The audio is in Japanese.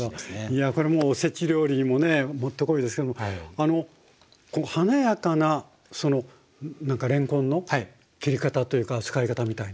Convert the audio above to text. いやこれもうお節料理にもね持ってこいですけどもこの華やかなその何かれんこんの切り方というか使い方みたいな。